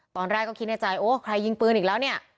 ตอนแรกก็คิดในใจโอ้ใครยิงปืนอีกแล้วเนี่ย